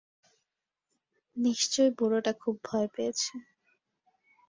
নিশ্চয়ই বুড়োটা খুব ভয় পেয়েছে।